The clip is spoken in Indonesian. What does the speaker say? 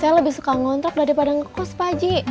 saya lebih suka ngontrak daripada ngekos pak haji